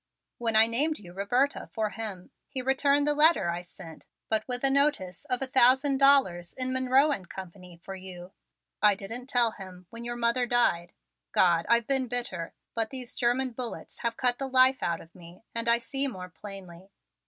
When I named you Roberta for him he returned the letter I sent but with a notice of a thousand dollars in Monroe and Company for you. I didn't tell him when your mother died. God, I've been bitter! But these German bullets have cut the life out of me and I see more plainly.